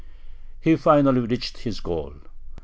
He finally reached his goal.